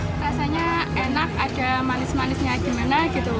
rasanya enak ada manis manisnya gimana gitu